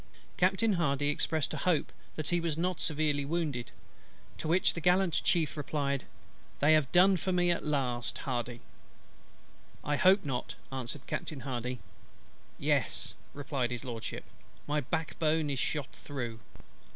Captain HARDY expressed a hope that he was not severely wounded; to which the gallant Chief replied: "They have done for me at last, HARDY." "I hope not," answered Captain HARDY. "Yes," replied His LORDSHIP; "my backbone is shot through."